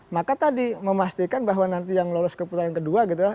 maka tadi memastikan bahwa nanti yang lolos ke putaran kedua gitu ya